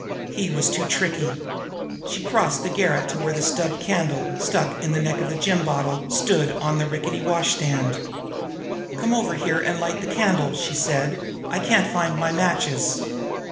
He was too tricky! She crossed the garret to where the candle stub, stuck in the neck of the gin bottle, stood on the rickety washstand. "Come over here and light the candle," she said. "I can't find my matches."